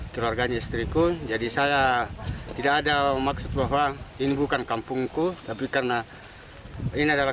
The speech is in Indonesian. keluarganya istriku jadi saya tidak ada maksud bahwa ini bukan kampungku tapi karena ini adalah